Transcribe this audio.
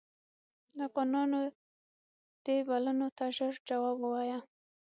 افغانانو دې بلنو ته ژر جواب ووایه.